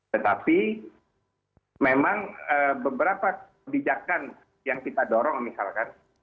tetapi memang beberapa kebijakan yang kita dorong misalkan